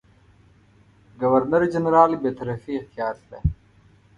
ګورنرجنرال بېطرفي اختیار کړه.